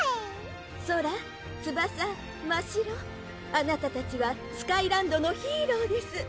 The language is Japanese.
ソラ・ツバサ・ましろあなたたちはスカイランドのヒーローです